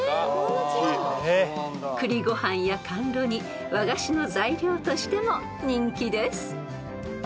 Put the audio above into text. ［栗ご飯や甘露煮和菓子の材料としても人気です］